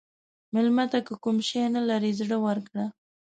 مېلمه ته که کوم شی نه لرې، زړه ورکړه.